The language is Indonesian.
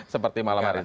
seperti malam hari ini